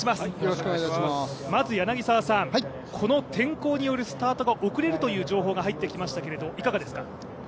まずこの天候によるスタートが遅れるという情報が入ってきましたがいかがですか？